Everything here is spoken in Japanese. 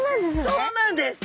そうなんです。